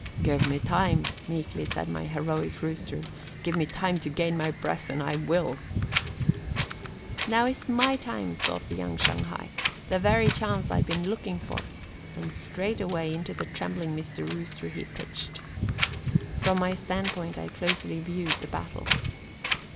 "Give me time," meekly said my heroic Rooster, "give me time to gain my breath and I will." "Now is my time," thought the young Shanghai, "the very chance I have been looking for," and straightway into the trembling Mr. Rooster he pitched. From my standpoint I closely viewed the battle.